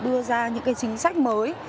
đưa ra những cái chính sách mới